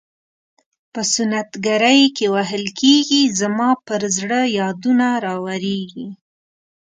په سنت ګرۍ کې وهل کیږي زما پر زړه یادونه راوریږي.